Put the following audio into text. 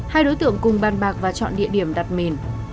hai đối tượng cùng bàn bạc và chọn địa điểm đặt mình